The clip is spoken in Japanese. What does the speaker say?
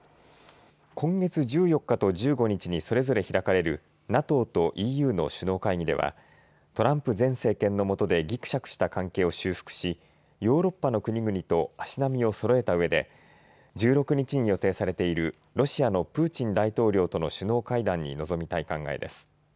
今月１４日と１５日にそれぞれ開かれるＮＡＴＯとＥＵの首脳会議ではトランプ前政権のもとでぎくしゃくした関係を修復しヨーロッパの国々と足並みをそろえたうえで１６日に予定されているロシアのプーチン大統領との首脳会談に臨みたい考えです。